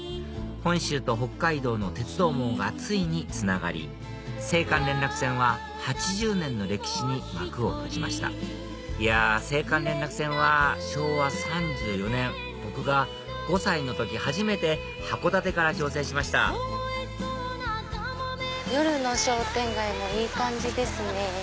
本州と北海道の鉄道網がついにつながり青函連絡船は８０年の歴史に幕を閉じましたいや青函連絡船は昭和３４年僕が５歳の時初めて函館から乗船しました夜の商店街もいい感じですね。